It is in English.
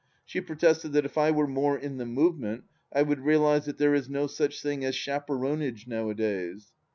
She protested that if I were more in the movement I would realize that there is no such thing as chaperonage nowadays.